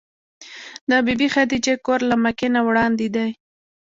د بي بي خدېجې کور له مکې نه وړاندې دی.